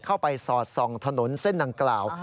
เข้าไปสอดส่องถนนเส้นดังกล่าว